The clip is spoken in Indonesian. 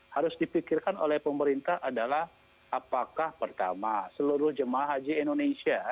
harus dipikirkan oleh pemerintah adalah apakah pertama seluruh jemaah haji indonesia